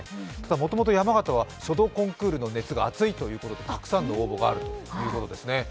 もともと山形は書道コンクールが盛んでたくさんの応募があるということですね。